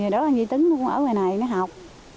đó là duy tuấn cũng ở ngoài này nó học